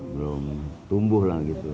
belum tumbuh lah gitu